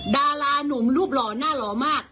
ดารานุ่มรูปหล่อน่าหล่อมาก